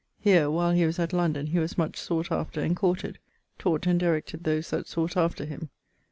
Here, while he was at London, he was much sought after and courted: taught and directed those that sought after him.